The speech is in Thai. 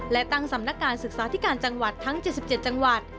และตั้งสำนักการศึกษาธิการจังหวัดทั้ง๗๗จังหวัด